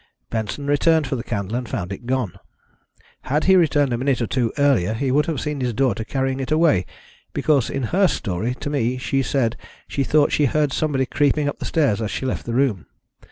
Benson returned for the candle and found it gone. Had he returned a minute or two earlier he would have seen his daughter carrying it away, because in her story to me she said she thought she heard somebody creeping up the stairs as she left the room.